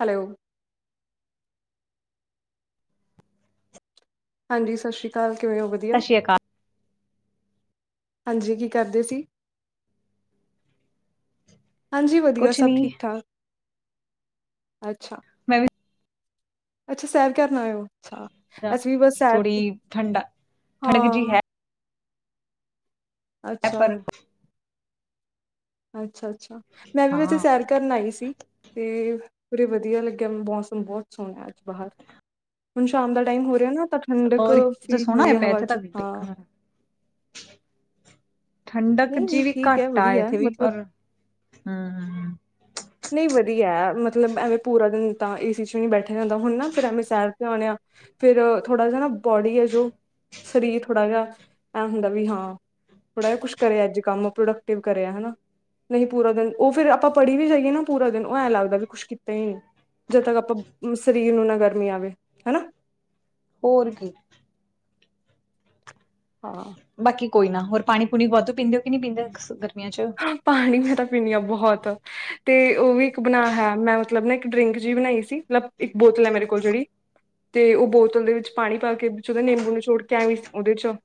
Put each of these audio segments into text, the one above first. Hello ਹਾਂਜੀ ਸਤਿ ਸ਼੍ਰੀ ਅਕਾਲ ਕਿਵੇਂ ਹੋ ਵਧੀਆ। ਸਤਿ ਸ਼੍ਰੀ ਅਕਾਲ ਹਾਂਜੀ ਕੀ ਕਰਦੇ ਸੀ। ਹਾਂਜੀ ਵਧੀਆ ਕੁਛ ਨੀ ਸਭ ਠੀਕ ਠਾਕ ਅੱਛਾ। ਮੈਂ ਵੀ ਅੱਛਾ ਸੈਰ ਕਰਨਾ ਅਸੀਂ ਵੀ ਬਸ ਸੈ ਥੋੜੀ ਠੰਡਾ ਠੰਡਕ ਜੀ ਹਾਂ। ਹੈ ਅੱਛਾ ਪਰ ਅੱਛਾ ਅੱਛਾ ਮੈਂ ਵੀ ਉਥੇ ਹਾਂ ਸੈਰ ਕਰਨ ਆਈ ਸੀ। ਤੇ ਉਰੇ ਵਧੀਆ ਲੱਗਿਆ ਮੌਸਮ ਬਹੁਤ ਸੋਹਣਾ ਅੱਜ ਬਾਹਰ ਹੁਣ ਸ਼ਾਮ ਦਾ ਟਾਈਮ ਹੋ ਰਿਹਾ ਨਾ ਤਾਂ ਠੰਡਕ ਹੋਰ ਤੇ ਫੀਲ ਸੋਹਣਾ ਹੁੰਦੀ ਹੈ ਪਿਆ ਹਵਾ ਇੱਥੇ 'ਚ ਤੱਕ ਹਾਂ। ਦੇਖਣ ਠੰਡਕ ਨਹੀਂ ਜੀ ਨਹੀਂ ਵੀ ਠੀਕ ਹੈ ਘੱਟ ਆ ਵਧੀਆ ਹੈ। ਇੱਥੇ ਵੀ ਮਤਲਬ ਪਰ ਹੂੰ। ਨਹੀਂ ਵਧੀਆ ਮਤਲਬ ਐਵੇਂ ਪੂਰਾ ਦਿਨ ਤਾਂ ਇਸ ਬੈਠਿਆ ਜਾਂ ਹੁੰਦਾ ਹੁਣ ਫ਼ਿਰ ਐਵੇਂ ਸੈਰ ਤੇ ਆਉਣੇ ਆ। ਫਿਰ ਥੋੜ੍ਹਾ ਜ ਨਾ ਬੋਡੀ ਹੈ ਜੋ ਸਰੀਰ ਥੋੜ੍ਹਾ ਜਿਹਾ ਐ ਹੁੰਦਾ ਵੀ ਹਾਂ। ਥੋੜਾ ਜਿਹਾ ਕੁਛ ਕਰਿਆ ਅੱਜ ਕੰਮ ਪ੍ਰੋਡਕਟਿਵ ਕਰਿਆ ਹਨਾ ਨਹੀਂ ਪੂਰਾ ਦਿਨ ਉਹ ਫਿਰ ਆਪਾਂ ਪੜ੍ਹੀ ਵੀ ਜਾਈਏ ਨਾ। ਪੂਰਾ ਦਿਨ ਉਹ ਐਂ ਲੱਗਦਾ ਵੀ ਕੁੱਛ ਕੀਤਾ ਹੀ ਨਹੀਂ ਜਦ ਤੱਕ ਆਪਾਂ ਸਰੀਰ ਨੂੰ ਨਾ ਗਰਮੀ ਆਵੇ ਹਨਾ। ਹੋਰ ਕੀ ਹਾਂ ਬਾਕੀ ਕੋਈ ਨਾ ਹੋਰ ਪਾਣੀ ਪੂਣੀ ਵਾਧੂ ਪੀਂਦੇ ਹੋ ਕਿ ਨਹੀਂੀ ਪੀਂਦੇ ਗਰਮੀਆਂ ਚ ਪਾਣੀ ਮੈਂ ਤਾਂ ਪੀਣੀ ਆਾਂ ਬਹੁਤ ਤੇ ਉਹ ਵੀ ਇੱਕ ਬਣਾ ਹੈਇ ਮੈਂ ਮਤਲਬ ਨਾ ਇੱਕ ਡਰਿੰਕ ਜਿਹੀ ਬਣਾਈ ਸੀ ਇੱਕ ਬੋਤਲ ਹੈ ਮੇਰੇ ਕੋਲ ਜਿਹੜੀ ਤੇ ਉਹ ਬੋਤਲ ਦੇ ਵਿੱਚ ਪਾਣੀ ਪਾ ਕੇ ਵਿੱਚ ਉਹਦੇ ਨਿੰਬੂ ਨਿਚੋੜ ਕੇ ਆਂ ਵੀ ਉਹਦੇ ਚ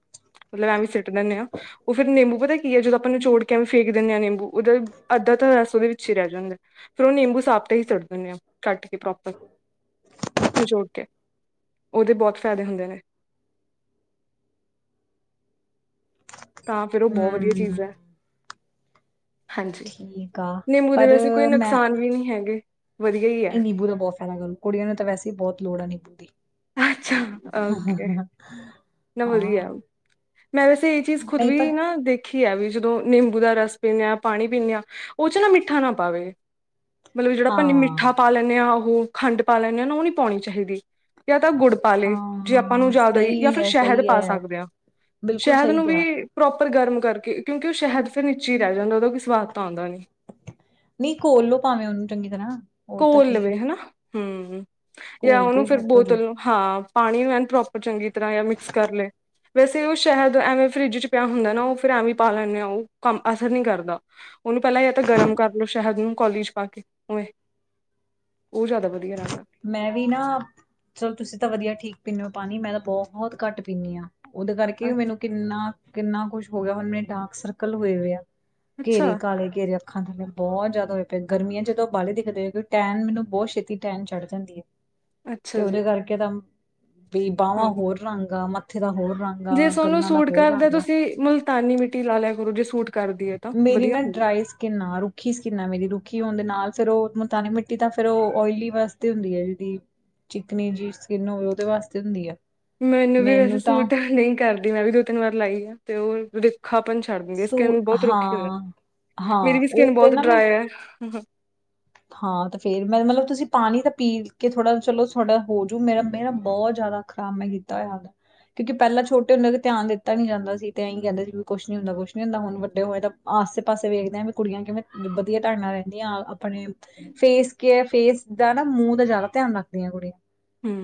ਮਤਲਬ ਐਵੇਂ ਸਿੱਟ ਦਿੰਦੇ ਹਾਂ ਉਹ ਫਿਰ ਨਿੰਬੂ ਪਤਾ ਕੀ ਹੈ ਜਦੋਂ ਆਪਾਂ ਨਿਚੋੜ ਕਿਵੇਂ ਫੇਕ ਦਿੰਦੇ ਆਾਂ ਨਿੰਬੂ ਉਹਦਾ ਅੱਧ ਤਾਂ ਰਸ ਉਹਦੇ ਵਿੱਚ ਹੀ ਰਹਿ ਜਾਂਦਾ ਫੇਿਰ ਉਹ ਨਿੰਬੂ ਸਾਾਬ ਤਾਂ ਹੀ ਸੱਟ ਦਿੰਦੇ ਆ ਕੱਟ ਕੇ ਪ੍ਰੋਪਰ ਨਿਚੋੜ ਕੇ ਉਹਦੇ ਬਹੁਤ ਫਾਇਦੇ ਹੁੰਦੇ ਨੇ ਤਾਂ ਫਿਰ ਉਹ ਬਹੁਤ ਵਧੀਆ ਹਮ ਚੀਜ਼ ਹੈ ਹਾਂਜੀ ਠੀਕ ਆ ਨਿੰਬੂ ਦੇ ਪਰ ਵੈਸੇ ਕੋਈ ਮੈਂ ਨੁਕਸਾਨ ਵੀ ਨਹੀਂ ਹੈਗੇ ਵਧੀਆ ਹੀ ਹੈ ਨਹੀਂ ਨਿੰਬੂ ਦਾ ਬਹੁਤ ਫਾਇਦਾ ਕਰੂ ਕੁੜੀਆਂ ਨੂੰ ਤਾਂ ਵੈਸੇ ਹੀ ਬਹੁਤ ਲੋੜ ਆ ਨਿੰਬੂ ਦੀ ਅੱਛਾ ਓਕੇ ਨਾ ਵਧੀਆ ਹਾਂ ਮੈਂ ਵੈਸੇ ਇਹ ਚੀਜ਼ ਖੁਦ ਨਹੀਂ ਵੀ ਪਰ ਨਾ ਦੇਖ ਖੀ ਆ ਵੀ ਜਦੋਂ ਨਿੰਬੂ ਦਾ ਰਸ ਪੀਂਦੇ ਹਾਂ ਪਾਣੀ ਪੀਂਦੇ ਹਾਂ ਉਹ ਚ ਨਾ ਮਿੱਠਾ ਨਾ ਪਾਵੇ ਮਤਲਬ ਜਿਹੜਾ ਅਪਾ ਹਾਂ ਮਿੱਠਾ ਪਾ ਲੈਂਦੇ ਆਾਂ ਉਹ ਖੰਡ ਪਾ ਲੈਂਦੇ ਹਾਂ ਨਾ ਉਹ ਨੀ ਪਾਉਣੀ ਚਾਹੀਦੀ ਜਾਂ ਤਾਂ ਗੁੜ। ਪਾ ਲਏ ਜੇ ਆਪਾਂ ਨੂੰ ਹਾਂ ਜ਼ਿਆਦਾ ਜਾਂ ਸਹੀ ਫਿਰ ਹੈ ਸ਼ਹਿਦ ਸਹੀ ਪਾ ਹੈ ਸਕਦੇ ਹਾਂ ਬਿਲਕੁਲ ਸ਼ਹਿਦ ਸਹੀ ਨੂੰ ਕਿਹਾ ਵੀ। ਪ੍ਰੋਪਰ ਗਰਮ ਕਰਕੇ ਕਿਉਂਕਿ ਉਹ ਸ਼ਹਿਦ ਫਿਰ ਨੀਚੇ ਹੀ ਰਹਿ ਜਾਂਦਾ ਉਹਦਾ ਕੋਈ ਸਵਾਦ ਤਾਂ ਆਉਂਦਾ ਨਹੀਂ। ਨਹੀਂ ਘੋਲ ਲੋ ਭਾਵੇਂ ਉਹਨੂੰ ਚੰਗੀ ਤਰ੍ਹਾਂ। ਹੋਰ ਤਾਂ ਘੋਲ ਕੀ ਹੈ ਲਵੇ ਹਨਾ ਹੂੰ ਜਾਂ ਘੋਲ ਕੇ ਉਹਨੂੰ ਵੀ ਫੇਰ ਸੈੱਟ ਹੋਜੂ ਬੋਤਲ ਨੂੰ। ਹਾਂ ਪਾਣੀ ਨੂੰ ਐਨ ਪ੍ਰੋਪਰ ਚੰਗੀ ਤਰ੍ਹਾਂ ਜਾਂ ਮਿਕਸ ਕਰ ਲਏ। ਵੈਸੇ ਉਹ ਸ਼ਾਇਦ ਐਵੇਂ ਫਰਿੱਜ 'ਚ ਪਿਆ ਹੁੰਦਾ ਨਾ ਉਹ ਫਿਰ ਐਵੇਂ ਪਾ ਲੈਣੈ ਉਹ ਕੰਮ ਅਸਰ ਨਹੀਂ ਕਰਦਾ। ਉਹਨੂੰ ਪਹਿਲਾਂ ਜਾਂ ਤਾਂ ਗਰਮ ਕਰਲੋ ਸ਼ਹਿਦ ਨੂੰ ਕੌਲੀ 'ਚ ਪਾ ਕੇ ਉਵੇਂ। ਉਹ ਜ਼ਿਆਦਾ ਵਧੀਆ ਰਹਿੰਦਾ ਹੈ। ਮੈਂ ਵੀ ਨਾ ਚਲੋ ਤੁਸੀਂ ਤਾਂ ਵਧੀਆ ਠੀਕ ਪੀਂਦੇ ਹੋ ਪਾਣੀ ਮੈਂ ਤਾਂ ਬਹੁਤ ਘੱਟ ਪੀਂਨੀ ਹਾਂ। ਉਹਦੇ ਕਰਕੇ ਮੈਨੂੰ ਕਿੰਨਾ ਕਿੰਨਾ ਕੁਛ ਹੋ ਗਿਆ ਹੁਣ ਮੇਰੇ ਡਾਰਕ ਸਰਕਲ ਹੋਏ ਹੋ ਆ ਘੇਰੇ ਅੱਛਾ ਕਾਲੇ ਘੇਰੇ ਖਾਂਣਦੇ ਮਿਆ ਬਹੁਤ ਜ਼ਿਆਦਾ ਹੋਏ ਪਿਆ ਗਰਮੀਆਂ ਚ ਜਦੋਂ ਬਾਹਾਲੇ ਦਿਖਦੇ ਹੋ ਕਿ ਟੈਣ ਮੈਨੂੰ ਬਹੁਤ ਛੇਤੀ ਟੈਣ ਚੜ ਜਾਂਦੀ ਹੈ ਤੇ ਅੱਛਾ ਜੀ ਉਹਦੇ ਕਰਕੇ ਤਾਂ ਵੀ ਬਾਹਵਾਂ ਹਾਂ ਹੋਰ ਰੰਗ ਆ ਮੱਥੇ ਦਾ ਹੋਰ ਰੰਗ ਆ ਜੇ ਤੁੋਨੂੰ ਗੱਲਾਂ ਦਾ ਸੂਟ ਹੋਰ ਕਰਦਾ ਰੰਗ ਆ ਤੁਸੀਂ ਮੁਲਤਾਨੀ ਮਿੱਟੀ ਲਾ ਲਿਆ ਕਰੋ ਜੇ ਸੂਟ ਕਰਦੀ ਹੈ ਤਾਂ ਮੇਰੀ ਵਧੀਆ ਨਾ ਹੁੰਦੀ ਡਰਾਾਈਸ ਕਿਨਾ ਰੁੱਖੀ ਸਕਿੰਨਾ ਮੇਰੀ ਰੁੱਖੀ ਹੋਣ ਦੇ ਨਾਲ ਫੇਿਰ ਉਹ ਮੁਤਾਾਨੀ ਮਿੱਟੀ ਤਾਂ ਫੇਿਰ ਉਹ ਓਇਲੀ ਵਾਸਤੇ ਹੁੰਦੀ ਹੈ ਜਿਹਦੀ ਚਿਕਨੀ ਜਿ ਸਕਿੰਨ ਹੋਵੇ ਉਹਦੇ ਵਾਸਤੇ ਹੁੰਦੀ ਆ ਮੈਨੂੰ ਵੀ ਵੈਸੇ ਸੂਟ ਨਹੀਂ ਕਰਦੀ ਮੈਂ ਵੀ ਦੋ ਤਿੰਨ ਵਾਰ ਲਾਈ ਆ ਤੇ ਉਹ ੁ ਖਾਪਨ ਛੱਡ ਦਿੰਦੀ ਸੂ ਸਕਿੰਨ ਬਹੁਤ ਰੁੱਖੀ ਹੋ ਹਾਂ ਹਾਂ ਮੇਰੀ ਵੀ ਉਹ ਸਕਿੰਨ ਫਿਰ ਬਹੁਤ ਨਾ ਮੈਂ ਡਰਾਏ ਹੈ ਹਾਂ ਤੇ ਫੇਰ ਮੈਂ ਮਤਲਬ ਤੁਸੀਂ ਪਾਣੀ ਤਾਂ ਪੀ ਕੇ ਥੋੜਾ ਚਲੋ ਤੁਥਹਾਡਾ ਹੋਜਊ ਮੇਰਾ ਮੇਰਾ ਬਹੁਤ ਜ਼ਿਆਦਾ ਕੰਮ ਮੈਂ ਕੀਤਾ ਹੋਇਆ ਉਹਦੇ। ਕਿਉਂਕਿ ਪਹਿਲਾਂ ਛੋਟੇ ਹੁੰਦਿਆਂ ਤੇ ਧਿਆਨ ਦਿੱਤਾ ਨੀ ਜਾਂਦਾ ਸੀ ਤੇ ਇਹੀ ਕਹਿੰਦੇ ਸੀ ਵੀ ਕੁਛ ਨੀ ਕੁਛ ਨੀ ਹੁੰਦਾ ਹੁਣ ਵੱਡੇ ਹੋਏ ਤਾਂ। ਆਸੇ ਪਾਸੇ ਵੇਖਦੇ ਆ ਵੀ ਕੁੜੀਆਂ ਕਿਵੇਂ ਵਧੀਆ ਢੰਗ ਨਾਲ ਰਹਿੰਦੀਆਂ ਆਪਣੇ। ਫੇਸ ਕੇਅਰ ਫੇਸ ਦਾ ਨਾ ਮੂੰਹ ਦਾ ਜ਼ਿਆਦਾ ਧਿਆਨ ਰੱਖਦੀਆਂ ਕੁੜੀਆਂ।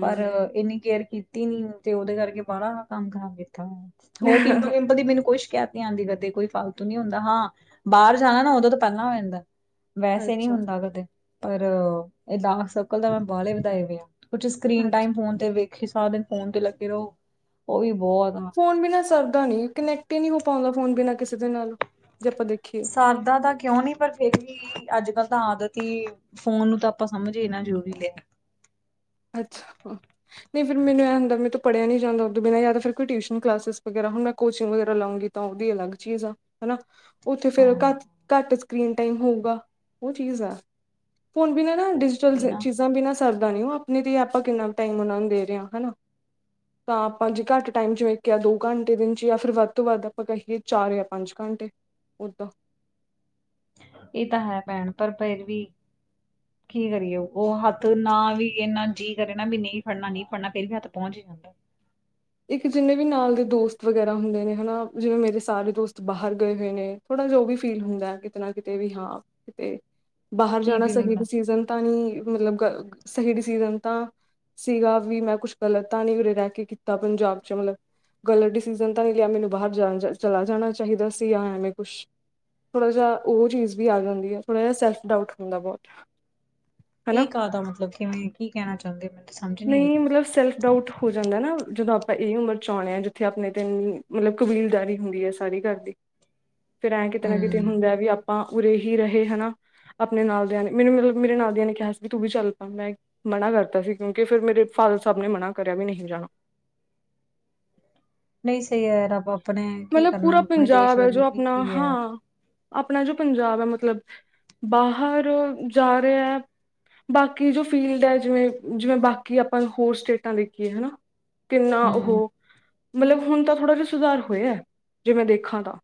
ਪਰ ਇੰਨੀ ਕੇਅਰ ਕੀਤੀ ਨੀ ਤੇ ਉਹਦੇ ਕਰਕੇ ਵਾਲਾ ਇਹ ਕੰਮ ਖਰਾਬ ਕੀਤਾ ਹੋਇਆ ਹੈ। ਹੋਰ ਪਿੰਪਲ ਪਿੰਪਲ ਦੀ ਮੈਨੂੰ ਕੋਈ ਸ਼ਿਕਾਇਤ। ਧਿਆਨ ਦੇ ਆਉਂਦੇ ਕਦੇ ਕੋਈ ਫਾਲਤੂ ਨੀ ਹੁੰਦਾ ਹਾਂ ਬਾਹਰ ਜਾਣਾ ਨਾ ਉਦੋਂ ਤਾਂ ਪਹਿਲਾਂ ਹੋ ਜਾਂਦਾ ਹੈ। ਵੈਸੇ ਨਹੀਂ ਅੱਛਾ ਹੁੰਦਾ ਕਦੇ ਪਰ ਇ ਡਾਕ ਸਰ ਪਿੰਪਲ ਤਾਂ ਮੈਂ ਵਾਲੇ ਵਧਾਏ ਹੋਏ ਆਂ ਕੁਛ ਸਕਰੀਨ ਅੱਛਾ ਟਾਈਮ ਫੋਨ ਤੇ। ਕਿ ਸਾਰਾ ਦਿਨ ਫੋਨ ਤੇ ਲੱਗੇ ਰਹੋ ਉਹ ਵੀ ਬਹੁਤ ਆ। ਫੋਨ ਬਿਨਾਂ ਸਰਦਾ ਨੀ ਕਨੈਕਟ ਹੀ ਨਹੀਂ ਹੋ ਪਾਉਂਦਾ ਫੋਨ ਬਿਨਾਂ ਕਿਸੇ ਦੇ ਨਾਲ ਜੇ ਆਪਾਂ ਦੇਖੀਏ। ਸਰਦਾ ਤਾਂ ਕਿਉਂ ਨੀ ਪਰ ਫੇਰ ਵੀ ਅੱਜ ਕੱਲ ਤਾਂ ਆਦਤ ਹੀ। ਫ਼ੋਨ ਨੂੰ ਤਾਂ ਆਪਾਂ, ਸਮਝ ਹੀ ਨਾ ਜ਼ਰੂਰੀ ਲਿਆ। ਅੱਛਾ, ਹਾਂ। ਨਹੀਂ, ਫਿਰ ਮੈਨੂੰ ਇਹ ਹੁੰਦਾ ਵੀ, ਮੈਂਥੋਂ ਪੜਿਆ ਨਹੀਂ ਜਾਂਦਾ ਉਹਦੇ ਬਿਨਾਂ ਜਾਂ ਫਿਰ ਕੋਈ ਟਿਊਸ਼ਨ ਕਲਾਸਿਸ ਵਗੈਰਾ ਹੁਣ ਮੈਂ ਕੋਚਿੰਗ ਲਊਂਗੀ। ਤਾਂ, ਉਹਦੀ ਅਲੱਗ ਚੀਜ਼ ਆ ਹਨਾ। ਉੱਥੇ ਫੇਰ ਹਾਂ ਘੱਟ, ਘੱਟ ਸਕਰੀਨ ਟਾਈਮ ਹੋਊਗਾ, ਉਹ ਚੀਜ਼ ਆ। ਹੁਣ ਬਿਨਾਂ ਨਾ, ਡਿਜੀਟਲ ਉਹੀ ਨਾ ਚੀਜ਼ਾਂ ਬਿਨਾਂ ਸਰਦਾ ਨੀ ਉਹ ਨਹੀਂ ਦੀ, ਆਪਾਂ ਕਿੰਨਾ ਕੁ ਟਾਈਮ ਉਹਨਾਂ ਨੂੰ ਦੇ ਰਹੇ ਹਾਂ, ਹਨਾ। ਤਾਂ, ਆਪਾਂ ਜੇ ਘੱਟ ਟਾਈਮ 'ਚ ਵੇਖਿਆ ਦੋ ਘੰਟੇ ਦੇ ਵਿੱਚ ਜਾਂ ਫਿਰ ਵੱਧ ਤੋਂ ਵੱਧ ਆਪਾਂ ਕਹੀਏ ਚਾਰ ਜਾਂ ਪੰਜ ਘੰਟੇ, ਓਦਾਂ ਇਹ ਤਾਂ ਹੈ ਭੈਣ, ਪਰ ਫੇਰ ਵੀ ਹੂੰ। [inaudible] ਕੀ ਕਰੀਏ, ਉਹ ਹੱਥ ਨਾ ਵੀ ਇੰਨਾ ਜੀਅ ਕਰੇ ਨਾ ਵੀ ਨਹੀਂ ਫੜਨਾ, ਨਹੀਂ ਫੜਨਾ ਫੇਰ ਵੀ ਹੱਥ ਪਹੁੰਚ ਹੀ ਜਾਂਦਾ ਹੈ। ਇੱਕ ਜਿੰਨੇ ਵੀ ਨਾਲ ਦੇ ਦੋਸਤ ਵਗੈਰਾ ਹੁੰਦੇ ਨੇ ਹਨਾ, ਜਿਵੇਂ ਮੇਰੇ ਸਾਰੇ ਦੋਸਤ ਬਾਹਰ ਗਏ ਹੋਏ ਨੇ ਥੋੜਾ ਜਾਂ ਉਹ ਵੀ ਫੀਲ ਹੁੰਦਾ, ਕਿਤੇ ਨਾ ਕਿਤੇ ਵੀ ਹਾਂ ਕਿਤੇ, ਬਾਹਰ ਕੀ ਜਾਣਾ ਪੀ ਸਹੀ ਲੈਂਦਾ ਡਿਸੀਜ਼ਨ ਤਾਂ ਨਹੀਂ, ਮਤਲਬ ਸਹੀ ਡਿਸੀਜ਼ਨ ਤਾਂ ਸੀਗਾ, ਵੀ ਮੈਂ ਕੁਛ ਗਲਤ ਤਾਂ ਨੀ ਉਰੇ ਰਹਿ ਕੇ ਕੀਤਾ, ਪੰਜਾਬ ਚ ਮਤਲਬ ਗਲਤ ਡਿਸੀਜ਼ਨ ਤਾਂ ਨਹੀਂ ਲਿਆ ਮੈਨੂੰ ਬਾਹਰ ਜਾ, ਚਲਾ ਜਾਣਾ ਚਾਹੀਦਾ ਸੀ ਜਾਂ ਐਵੇਂ ਕੁਛ ਥੋੜਾ ਜਿਹਾ, ਉਹ ਚੀਜ਼ ਵੀ ਆ ਜਾਂਦੀ ਹੈ, ਥੋੜਾ ਜਿਹਾ ਸੈਲਫ ਡਾਊਟ ਹੁੰਦਾ ਬਹੁਤ। ਹਨਾ ਇਹ ਕਾਦਾ ਮਤਲਬ ਕਿਵੇਂ, ਕੀ ਕਹਿਣਾ ਚਾਹੁੰਦੇ ਮੈਨੂੰ? ਤਾਂ ਸਮਝ ਆਈ ਨਹੀਂ, ਮਤਲਬ ਸੈਲਫ ਡਾਊਟ ਹੋ ਜਾਂਦਾ ਨਾ, ਜਦੋਂ ਆਪਾਂ ਇਹੀ ਉਮਰ ਚ ਆਉਣੇ ਆ ਜਿੱਥੇ ਆਪਣੇ ਤਨ ਮਤਲਬ ਕਬੀਲਦਾਰੀ ਹੁੰਦੀ ਹੈ, ਸਾਰੀ ਘਰ ਦੀ। ਫੇਰ, ਐਂ ਕਿਤੇ ਨਾ ਕਿਤੇ ਹੂੰ। ਹੁੰਦਾ ਵੀ ਆਪਾਂ, ਉਰੇ ਹੀ ਰਹੇ ਹਨਾ। ਆਪਣੇ ਨਾਲ ਦੀਆਂ ਨੇ ਮੈਨੂੰ ਮਤਲਬ ਮੇਰੇ ਨਾਲ ਦੀਆਂ ਨੇ ਕਿਹਾ ਸੀ ਕਿ ਤੂੰ ਵੀ ਚੱਲ ਪੈ, ਮੈਂ ਮਨਾ ਕਰਤਾ ਸੀ। ਕਿਉਂਕਿ, ਫਿਰ ਮੇਰੇ ਫਾਦਰ ਸਾਹਿਬ ਨੇ ਮਨਾ ਕਰਿਆ, ਵੀ ਨਹੀਂ ਜਾਣਾ। ਨਹੀਂ, ਸਹੀ ਹੈ ਰੱਬ ਆਪਣੇ, ਕੀ ਮਤਲਬ ਕਰਨਾ ਪੂਰਾ ਆਪਣੇ ਦੇਸ਼ ਪੰਜਾਬ ਹੈ ਵਰੀ ਜੋ ਆਪਣਾ ਕੀ ਹੈ। ਹਾਂ ਆਪਣਾ ਜੋ ਪੰਜਾਬ ਹੈ, ਮਤਲਬ ਬਾਹਰ ਜਾ ਰਿਹਾ ਹੈ ਬਾਕੀ ਜੋ ਫੀਲਡ ਹੈ। ਜਿਵੇਂ, ਜਿਵੇਂ ਬਾਕੀ ਆਪਾਂ ਹੋਰ ਸਟੇਟਾਂ ਦੇਖੀਏ ਹਨ ਕਿੰਨਾ ਹੂੰ। ਉਹ, ਮਤਲਬ ਹੁਣ ਤਾਂ ਥੋੜਾ ਜਿਹਾ ਸੁਧਾਰ ਹੋਇਆ, ਜੇ ਮੈਂ ਦੇਖਾਂ ਤਾਂ।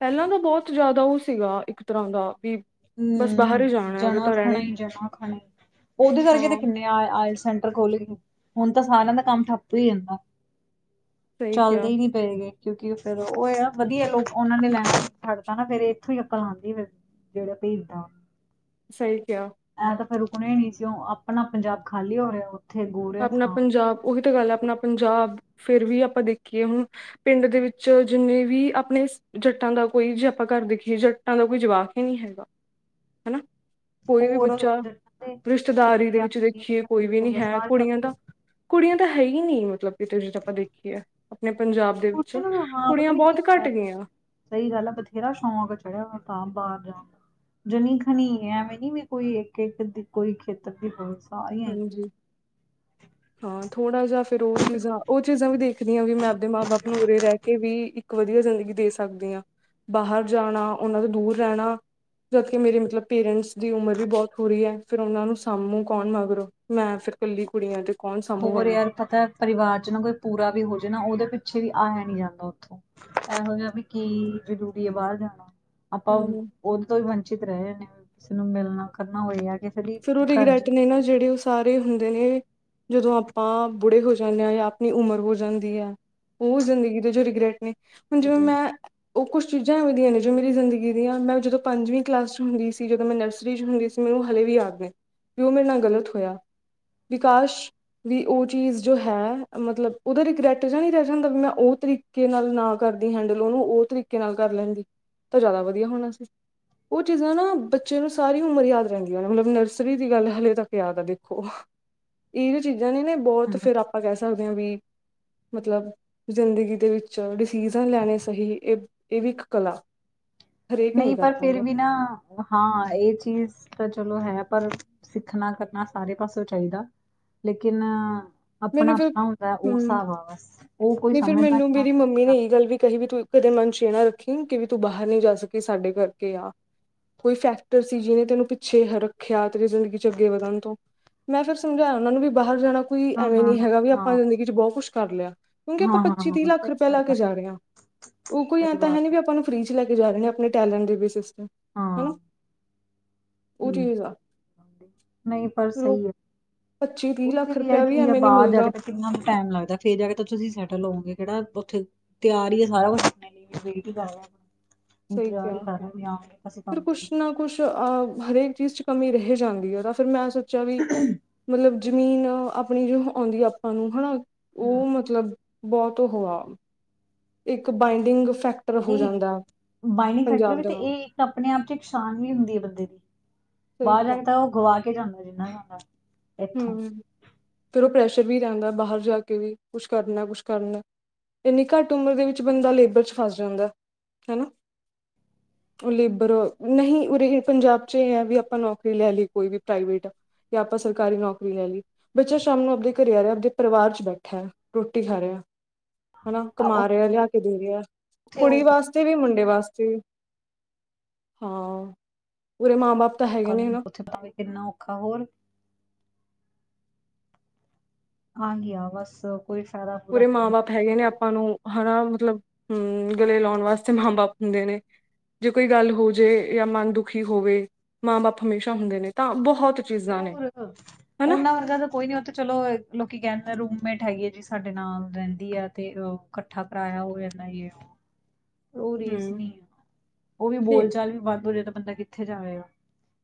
ਪਹਿਲਾਂ ਤਾਂ ਬਹੁਤ ਜ਼ਿਆਦਾ ਉਹ ਸੀਗਾ, ਇੱਕ ਤਰ੍ਹਾਂ ਦਾ ਵੀ ਬਸ ਹੂੰ, ਬਾਹਰ ਹੀ ਜਾਣਾ ਉਰੇ ਜਣਾ ਤਾਂ ਰਹਿਣਾ ਖਣਾ ਹੀ ਜਨਾ ਖਣਾ ਹੀ, ਉਹਦੇ ਵਰਗੇ ਤੇ ਹਾਂ ਕਿੰਨੇ ਆਇਲ ਸੈਂਟਰ ਖੁੱਲਗੇ, ਹੁਣ ਤਾਂ ਸਾਰਿਆਂ ਦਾ ਕੰਮ ਠੱਪ ਹੀ ਜਾਂਦਾ। ਸਹੀ ਚੱਲਦੇ ਕਿਹਾ ਹੀ ਪਏ ਗਏ ਕਿਉਂਕਿ ਫੇਰ ਉਹ ਆ ਵਧੀਆ ਲੋਕ, ਉਹਨਾਂ ਨੇ ਲੈਣਾ ਛੱਡਤਾ ਨਾ ਫੇਰ, ਇੱਥੋਂ ਹੀ ਅਕਲ ਲਾਉਂਦੀ ਫਿਰ। ਜਿਹੜਾ ਭੇਜਦਾ ਸਹੀ, ਕਹਿਆ। ਐਂ ਤਾਂ ਫੇਰ ਰੁਕਣਾ ਹੀ ਨਹੀਂ, ਕਿਓਂ ਆਪਣਾ ਪੰਜਾਬ ਖਾਲੀ ਹੋ ਰਿਹਾ ਹੈ। ਆਪਣਾ ਪੰਜਾਬ, ਉਹੀ ਤਾਂ ਗੱਲ ਹੈ। ਆਪਣਾ ਪੰਜਾਬ ਫੇਰ ਵੀ ਆਪਾਂ ਦੇਖੀਏ ਹੁਣ ਪਿੰਡ ਦੇ ਵਿੱਚ, ਜਿੰਨੇ ਵੀ ਆਪਣੇ ਜੱਟਾਂ ਦਾ ਕੋਈ, ਜੇ ਆਪਾਂ ਘਰ ਦੇਖੀਏ, ਜੱਟਾਂ ਦਾ ਕੋਈ ਜਵਾਕ ਹੀ ਨਹੀਂ ਹੈਗਾ, ਹਨਾ। ਕੋਈ ਵੀ ਹੋਰ ਬੱਚਾ ਜੱਟਾਂ ਦੇ ਹੋ ਰਿਸ਼ਤੇਦਾਰੀ ਦੇ ਗਿਆ, ਵਿੱਚ, ਦੇਖੀਏ ਕੋਈ ਖੱਤਰੀ ਵੀ ਹੋ ਨੀ ਗਏ ਹੈ। ਸਾਰੇ ਦਾ ਤਾਂ, ਕੁੜੀਆਂ ਤਾਂ ਹੈ ਹੀ ਨੀ, ਮਤਲਬ ਕਿਤੇ ਜਦ ਆਪਾਂ ਦੇਖੀਏ, ਆਪਣੇ ਪੰਜਾਬ ਦੇ ਵਿੱਚ, ਕੁੜਤੇ ਨੂੰ ਵੀ ਹਾਂ ਕੁੜੀਆਂ ਪਤਾ ਨੀ ਕੀ ਬਹੁਤ ਘੱਟ ਹੋਇਆ ਗਈਆਂ। ਸਹੀ ਗੱਲ ਹੈ, ਬਥੇਰਾ ਸ਼ੌਕ ਚੜਿਆ ਹੋਇ ਤਾਂ ਬਾਹਰ ਜਾਣ ਦਾ। ਜਨੀ ਖਣੀ, ਐਵੇਂ ਨੀ ਵੀ ਕੋਈ, ਇੱਕ -ਇੱਕ ਕੋਈ ਖੇਤਰ ਦੀ ਹੋ ਹਾਂਜੀ, ਹਾਂ ਥੋੜਾ ਜਿਹਾ ਫੇਰ ਉਹ ਚੀਜ਼ਾਂ, ਉਹ ਚੀਜ਼ਾਂ ਵੀ ਦੇਖ ਦੀ ਹਾਂ ਵੀ, ਮੈਂ ਆਪਣੇ ਮਾਂ ਬਾਪ ਨੂੰ ਉਰੇ ਰਹਿ ਕੇ ਵੀ ਵਧੀਆ ਜ਼ਿੰਦਗੀ ਦੇ ਸਕਦੀ ਹਾਂ, ਬਾਹਰ ਜਾਣਾ ਉਹਨਾਂ ਤੋਂ ਦੂਰ ਰਹਿਣਾ ਜਦਕਿ ਮੇਰੇ ਮਤਲਬ, ਪੇਰੈਂਟਸ ਦੀ ਉਮਰ ਵੀ ਬਹੁਤ ਹੋ ਰਹੀ ਹੈ ਫਿਰ ਉਹਨਾਂ ਨੂੰ ਸਾਮੂੰ ਕੌਣ ਮਰ ਕਰੋ, ਮੈਂ ਫੇਰ ਕੱਲੀ ਕੁੜੀ ਆਂ ਤੇ। ਕੌਣ ਸਾਂਭੂਗਾ ਹੋਰ ਉਹਨਾਂ ਯਾਰ ਪਤਾ ਏ, ਪਰਿਵਾਰ ਚ ਨਾ ਕੋਈ ਪੂਰਾ ਵੀ ਹੋ ਜਾੇ ਨਾ, ਉਹਦੇ ਪਿੱਛੇ ਵੀ ਆਇਆ ਨੀ ਜਾਂਦਾ ਉੱਥੋਂ। ਇਹੋ ਜਾ ਵੀ ਕੀ ਜਰੂਰੀ ਹੈ ਬਾਰ ਜਾਣਾ। ਆਪਾਂ ਨੂੰ ਹੂੰ। ਉਹ ਤੋਂ ਵੀ ਵੰਚਿਤ ਰਹੇ ਨੇ ਕਿਸੇ ਨੂੰ ਮਿਲਣਾ ਕਰਨਾ ਹੋਏ ਆ ਕਿ ਫਿਰ ਉਹ ਰਿਗਰੈਟ ਨੇ ਨਾ ਜਿਹੜੇ ਉਹ ਸਾਰੇ ਹੁੰਦੇ ਨੇ। ਜਦੋਂ ਆਪਾਂ ਬੁੜੇ ਹੋ ਜਾਂਦੇ ਹਾਂ ਜਾਂ ਆਪਣੀ ਉਮਰ ਹੋ ਜਾਂਦੀ ਹੈ। ਉਹ ਜ਼ਿੰਦਗੀ ਦੇ ਜੋ ਰਿਗ੍ਰੈਟ ਨੇ ਹੁਣ ਜਿਵੇਂ ਮਿਲੇ ਮੈਂ ਉਹ ਕੁਛ ਚੀਜ਼ਾਂ ਐਵੇ ਦੀਆਂ ਨੇ ਜੋ ਮੇਰੀ ਜ਼ਿੰਦਗੀ ਦੀਆਂ ਮੈਂ ਜਦੋਂ ਪੰਜਵੀਂ ਕਲਾਸ ਚ ਹੁੰਦੀ ਸੀ ਜਦੋਂ ਮੈਂ ਨਰਸਰੀ ਚ ਹੁੰਦੀ ਸੀ। ਮੈਨੂੰ ਹਲੇ ਵੀ ਯਾਦ ਨੇ ਵੀ ਉਹ ਮੇਰੇ ਨਾਲ ਗਲਤ ਹੋਇਆ ਵਿ ਕਾਸ਼ ਵੀ ਉਹ ਚੀਜ਼ ਜੋ ਹੈ ਮਤਲਬ ਉਹਦਾ ਰਿਗਰੈਟ ਜਾ ਨੀ ਰਹਿ ਜਾਂਦਾ ਵੀ ਮੈਂ ਉਹ ਤਰੀ ਕੀ ਨਾਲ ਨਾ ਕਰਦੀ ਹੈਂਡਲ ਉਹਨੂੰ ਉਹ ਤਰੀਕੇ ਨਾਲ ਕਰ ਲੈਂਦੀ ਤਾਂ ਜਾਦਾ ਵਧੀਆ ਹੋਣਾ ਸੀ। ਉਹ ਚੀਜ਼ਾਂ ਨਾ ਬੱਚੇ ਨੂੰ ਸਾਰੀ ਉਮਰ ਯਾਦ ਰਹਿੰਦੀਆਂ ਨੇ ਮਤਲਬ ਨ ਸਰੀ ਦੀ ਗੱਲ ਹੱਲੇ ਤੱਕ ਯਾਦ ਆ ਦੇਖੋ ਇਹ ਜੋ ਚੀਜ਼ਾਂ ਨੀ ਨਾ ਬੋਹਤ ਹਮ, ਫਿਰ ਆਪ ਆਪਾਂ ਕਹਿ ਸਕਦੇ ਹਾਂ ਵੀ ਮਤਲਬ ਜ਼ਿੰਦਗੀ ਦੇ ਵਿੱਚ ਡਿਸੀਜ਼ਨ ਲੈਣੇ ਸਹੀ ਇਹ-ਇਹ ਵੀ ਇੱਕ ਕਲਾ। ਹਰੇਕ ਨਹੀਂ ਕਰ ਪਰ ਫੇਰ ਪਾਉਂਦਾ ਵੀ ਨਾ ਹਾਂ ਇਹ ਚੀਜ਼ ਤਾਂ ਚਲੋ ਹੈ ਪਰ ਸਿੱਖਣਾ ਕਰਨਾ ਸਾਰੇ ਪਾਸੋਂ ਚਾਹੀਦਾ। ਲੇਕਿਨ ਮੈਨੂੰ ਫਿਰ ਆਪਣਾ-ਆਪਣਾ ਹੁੰਦਾ ਉਸ ਹਮ ਹਿਸਾਬ ਆ ਬਸ ਉਹ ਕੋਈ ਸਮਝਦਾ ਨ ਮ ਨਾ। ਨੇ ਸਮਝਦਾ ਇਹੀ ਗੱਲ ਵੀ ਕਹੀ ਵੀ ਤੂੰ ਕਦੇ ਮਨ ਚ ਇਹ ਨਾ ਰੱਖੀ ਕਿ ਵੀ ਤੂੰ ਬਾਹਰ ਨਹੀਂ ਜਾ ਸਕੀ ਸਾਡੇ ਕਰਕੇ ਆ। ਕੋਈ ਫੈਕਟਰ ਸੀ ਜਿਨੇ ਤੈਨੂੰ ਪਿੱਛੇ ਰੱਖਿਆ ਤੇਰੀ ਜ਼ਿੰਦਗੀ ਚ ਅੱਗੇ ਵਧਣ ਤੋਂ। ਮੈਂ ਫਿਰ ਸਮਝਾਇਆ ਉਹਨਾਂ ਨੂੰ ਵੀ ਬਾਹਰ ਜਾਣਾ ਕੋਈ ਨਾ ਐਵੇਂ ਨਾ ਨੀ ਨਾ ਹੈਗਾ ਵੀ ਹਾਂ ਆਪਾਂ ਜ਼ਿੰਦਗੀ ਚ ਬਹੁਤ ਕੁਛ ਕਰ ਲਿਆ। ਕਿਉਂਕਿ ਆਪਾਂ ਹਾਂ ਹਾਂ ਪੱਚੀ, ਤੀਹ ਹਾਂ ਲੱਖ ਸਹੀ ਰੁਪਇਆ ਗੱਲ ਲਾ ਆ ਕੇ ਜਾ ਰਹੇ ਹਾਂ, ਉਹ ਕੋਈ ਐ ਸਹੀ ਤਾਂ ਹੈ ਬਾਤ ਨੀ ਵੀ ਆਪਾਂ ਨੂੰ ਫ੍ਰੀ ਚ ਲੈ ਕੇ ਜਾ ਰਹੇ ਨੇ ਆਪਣੇ ਟੈਲੈਂਟ ਦੇ ਬੇਸਿਸ ਤੇ ਹਨਾ। ਹਾਂ, ਉਹ ਚੀਜ਼ ਆ ਨਹੀਂ ਪਰ ਫਿਰ ਉਹ ਸਹੀ ਹੈ। ਪੱਚੀ, ਤੀਹ ਉੱਥੇ ਲੱਖ ਯਾਰ ਰੁਪਇਆ ਵੀ ਕੀ ਹੈ ਐਵੇਂ ਨੀ ਬਾਹਰ ਜਾ ਮਿਲਦਾ ਕੇ ਕਿੰਨਾ ਟਾਈਮ ਲੱਗਦਾ ਫੇਰ ਜਾ ਕੇ ਤੁਸੀਂ ਸੈਟਲ ਹੋਵਗੇ ਕਿਹੜਾ ਉੱਥੇ ਤਿਆਰ ਹੀਏ ਸਾਰਾ ਕੁਛ ਵੇ ਹੀ ਕਰ ਰਿਹਾ ਸਹੀ ਇੰਤਜ਼ਾਰ ਹੀ ਕਿਹਾ ਕਰ ਰਿਹਾ ਆਸੇ ਫਿਰ ਕੰਮ ਦੇ। ਕੁਛ ਨਾ ਕੁਛ ਅ ਹਰੇਕ ਚੀਜ਼ ਚ ਕਮੀ ਰਹਿ ਜਾਂਦੀ ਹੈ ਤਾਂ ਫਿਰ ਮੈਂ ਸੋਚਿਆ ਵੀ ਮਤਲਬ ਜ਼ਮੀਨ ਆਪਣੀ ਜੋ ਆਉਂਦੀ ਆਪਾ ਨੂੰ ਹਨਾ ਹਮ, ਉਹ ਮਤਲਬ ਬਹੁਤ ਉਹ ਹਾਂ। ਇੱਕ ਬਾਇੰਡਿੰਗ ਫੈਕਟਰ ਹੋ ਨਹੀਂ ਜਾਂਦਾ ਪੰਜਾਬ ਦੇ ਨਾਲ। ਪਰ ਆਪਣੇ ਆਪ ਚ ਇੱਕ ਸ਼ਾਨ ਵੀ ਹੁੰਦੀ ਹੈ ਬੰਦੇ ਦੀ ਸਹੀ ਬਾਹਰ ਜਾ ਕਿਹਾ ਕੇ ਤਾਂ ਉਹ ਗਵਾ ਕੇ ਜਾਂਦਾ ਜਿੰਨਾ ਜਾਂਦਾ। ਇੱਥੋਂ ਹਮ ਫਿਰ ਉਹ ਪ੍ਰੈਸ਼ਰ ਵੀ ਰਹਿੰਦਾ ਬਾਹਰ ਜਾ ਕੇ ਵੀ ਕੁਛ ਕਰਨਾ, ਕੁਛ ਕਰਨਾ। ਇੰਨੀ ਘੱਟ ਉਮਰ ਦੇ ਵਿੱਚ ਬੰਦਾ ਲੇਬਰ ਚ ਫਸ ਜਾਂਦਾ ਹੈ ਨਾ। ਲੇਬਰ ਨਹੀਂ ਉਰੇ ਪੰਜਾਬ ਚ ਇਹ ਹੈ ਵੀ ਆਪਾਂ ਨੌਕਰੀ ਲੈ ਲਈ ਕੋਈ ਵੀ ਪ੍ਰਾਈਵੇਟ। ਕਿ ਆਪਾਂ ਸ ਕਾਰੀ ਨੌਕਰੀ ਲੈ ਲਈ ਬੱਚਾ ਸ਼ਾਮ ਨੂੰ ਆਪਦੇ ਘਰੇ ਆ ਰਿਹਾ ਆਪਦੇ ਪਰਿਵਾਰ ਚ ਬੈਠਾ ਰੋਟੀ ਖਾ ਰਿਹਾ। ਹਨਾ ਆ ਕਮਾ ਰਿਹਾ ਲਿਆ ਕੇ ਦੇ ਰਿਹਾ ਉੱਥੇ ਉਹ ਕੁੜੀ ਵਾਸ ਸਤੇ ਵੀ ਮੁੰਡੇ ਵਾਸਤੇ ਹਾਂ ਪੂਰੇ ਮਾਂ ਬਾਪ ਤਾਂ ਹੈਗੇ ਕੱਲ ਨੇ ਨੂੰ ਹਨਾ ਉੱਥੇ ਭਾਵੇਂ ਕਿੰਨਾ ਔਖਾ ਹੋਰ ਆ ਗਿਆ ਬੱਸ। ਕੋਈ ਫਾਇਦਾ ਫੂਦਾ ਉਰੇ ਹੈ ਮਾਂ ਬਾਪ ਨਹੀਂ ਹੈਗੇ ਨੇ ਅਪ ਆਪਾਂ ਨੂੰ ਹਨਾ ਮਤਲਬ ਹੂੰ ਗਲੇ ਲਾਉਣ ਵਾਸਤੇ ਮਾਂ ਬਾਪ ਹੁੰਦੇ ਨੇ। ਜੇ ਕੋਈ ਗੱਲ ਹੋਜੇ ਜਾਂ ਮਨ ਦੁਖੀ ਹੋਵੇ ਮਾਂ ਬਾਪ ਹਮੇਸ਼ਾ ਹੁੰਦੇ ਨੇ ਤਾਂ ਬਹੁਤ ਚੀਜ਼ਾਂ ਨੇ ਹੋਰ ਹਨਾ ਉਹਨਾਂ ਵਰਗਾ ਤਾਂ ਕੋਈ ਨੀ ਉ ਤੇ ਚਲੋ ਲੋਕੀ ਕਹਿ ਦੇ ਰੂਮੇਟ ਹੈਗੀ ਆ ਜੀ ਸਾਡੇ ਨਾਲ ਰਹਿੰਦੀ ਆ ਤੇ ਅਹ ਕੱਠਾ ਕਰਇਆ ਹੋ ਜਾਂਦਾ ਯੇ ਉਹ। ਉਹ ਰੀਸ ਹਮ ਨੀ, ਉਹ ਵੀ ਨਹੀਂ ਬੋਲ ਚਾਲ ਵੀ ਬੰਦ ਹੋ ਜਾਹਾ ਤਾਂ ਬੰਦਾ ਕਿੱਥੇ ਜਾਵੇਗਾ।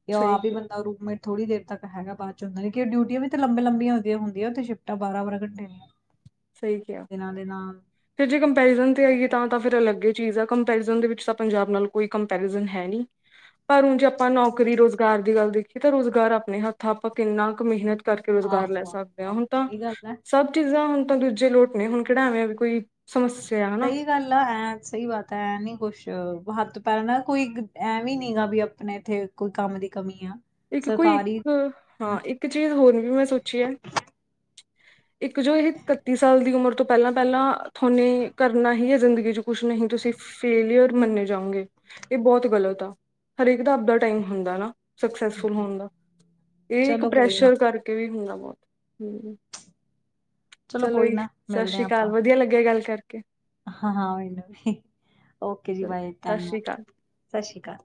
ਕਿ ਸਹੀ ਆਪ ਹੀ ਕਿਹਾ ਬ ਦਾ ਰੂਮੇਟ ਥੋੜ੍ਹ ਦੇਰ ਤੱਕ ਹੈਗਾ ਬਾਦ ਚ ਹੁੰਦਾ ਉਹ ਡਿਊਟੀਆਂ ਵੀ ਲੰਬੇ ਲੰਬੀਆਂ ਹੁੰਦੀਆਂ ਤੇ ਸ਼ਿਫਟਾਂ ਬਰਾ-ਬਾਰਾ ਘੰਟੇ ਦੀਆ। ਸਹੀ ਕਿਹਾ ਫਿਰ ਜੇ ਕੰਪੈਰੀਜ਼ਨ ਤੇ ਆਈਏ ਆਹੋ ਤਾ ਤਾਂ ਫਿਰ ਅਲੱਗ ਹੀ ਚੀਜ਼ ਆ। ਕੰਪੈਰੀਜ਼ਨ ਦੇ ਵਿੱਚ ਤਾਂ ਪੰਜਾਬ ਨਾਲ ਕੋਈ ਕੰਪੈਰੀਜਨ ਹੈ ਨਹੀਂ। ਪਰ ਹੁਣ ਜੇ ਆਪਾਂ ਨੌਕਰੀ ਰੁਜ਼ਗਾਰ ਦੀ ਗੱਲ ਦੇਖੀਏ ਤਾਂ ਰੁਜ਼ਗਾਰ ਆਪਣੇ ਹੱਥਾਂ ਆਪਾਂ ਕਿੰਨਾ ਕੁ ਮਿਹਨਤ ਕਰਕੇ ਰੁਜ਼ਗਾਰ ਲੈ ਆਹੋ ਸਕਦੇ ਹਾਂ। ਆਹੋ ਹੁਣ ਤਾਂ, ਸਹੀ ਗੱਲ ਹੈ ਸਭ ਚੀਜ਼ਾਂ ਹੁਣ ਤਾਂ ਦੂਜੇ ਲੋਕ ਨੇ ਹੁਣ ਕਿਹੜਾ ਐਵੇਂ ਵੀ ਕੋਈ ਸਮੱਸਿਆ ਹਨਾ। ਸ ਗੱਲ ਆ। ਐਂ ਸਹੀ ਬਾਤ ਹੈ, ਐਂ ਨੀ ਕੁੱਛ ਹੱਥ- ਪੈਰ ਕੋਈ ਐਂ ਵੀ ਨੀ ਗਾ ਵੀ ਆਪਣੇ ਇੱਥੇ ਕੋਈ ਕੰਮ ਦੀ ਕਮੀ ਆ। ਇੱਕ ਕੋਈ ਇੱਕ, ਸਰਕਾਰੀ ਹਾਂ। ਇੱਕ ਚੀਜ਼ ਹੋਰ ਵੀ ਮੈਂ ਸੋਚੀ ਹੈ। ਇੱਕ ਜੋ ਇਹ ਇਕੱਤੀ ਸਾਲ ਦੀ ਉਮਰ ਤੋਂ ਪਹਿਲਾਂ- ਪਹਿਲਾਂ ਤੁਹਾਨੇ ਕਰਨਾ ਹੀ ਹੈ ਜ਼ਿੰਦਗੀ ਚ' ਕੁਛ ਨਹੀਂ ਕੁਛ ਤੁਸੀਂ ਫੇਲੀਅਰ ਮੰਨੇ ਜਾਉਗੇ। ਇਹ ਬਹੁਤ ਗਲਤ ਆ। ਹਰੇਕ ਦਾ ਆਪਦਾ ਟਾਈਮ ਹੁੰਦਾ ਨਾ। ਸਕਸੈਸਫੁਲ ਹੋਣ ਦਾ। ਇਹ ਇੱਕ ਚਲੋ ਕੋਈ ਨਾ, ਪ੍ਰੈਸ਼ਰ ਕਰਕੇ ਕੇ ਵੀ ਹੁੰਦਾ। ਬਹੁਤ ਹੂੰ ਚਲੋ ਕੋਈ ਜੀ, ਨਾ ਸਤਿ ਮਿਲਦੇ ਸ੍ਰੀ ਅਕਾਲ। ਵਧੀਆ ਲੱਗਿਆ ਗੱਲ ਕਰਕੇ। ਹਾਂ- ਹਾਂ, ਓਕੇ ਜੀ, ਚਲੋ ਬਾਏ, ਸਤਿ ਸ੍ਰੀ ਧੰਨਵਾਦ ਅਕਾਲ ਸਤਿ ਸ਼੍ਰੀ ਅਕਾਲ।